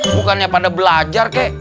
bukannya pada belajar kek